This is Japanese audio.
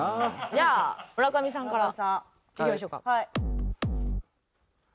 じゃあ村上さんからいきましょうか。